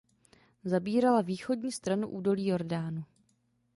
Zabírala východní stranu údolí Jordánu.